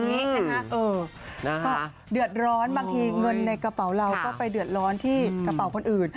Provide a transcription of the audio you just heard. ก็เดือดร้อนบางทีเงินในกระเป๋าเราก็ไปเดือดร้อนที่กระเป๋าคนอื่น